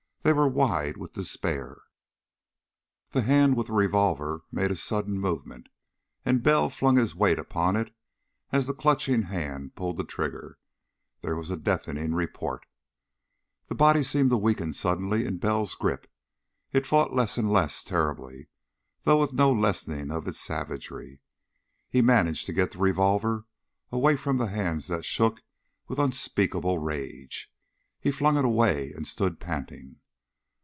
They were wide with despair. The hand with the revolver made a sudden movement, and Bell flung his weight upon it as the clutching hand pulled the trigger. There was a deafening report.... The body seemed to weaken suddenly in Bell's grip. It fought less and less terribly, though with no lessening of its savagery. He managed to get the revolver away from the hands that shook with unspeakable rage. He flung it away and stood panting.